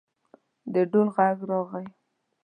د ډول غږ راغی.